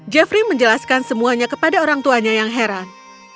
jeffrey menjelaskan semuanya kepada orang tuanya yang heran